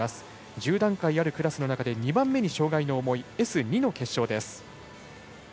１０段階あるクラスの中で２番目に障がいの重いＳ２の決勝です。